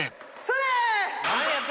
それ！